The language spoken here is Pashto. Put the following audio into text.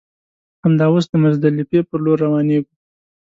همدا اوس د مزدلفې پر لور روانېږو.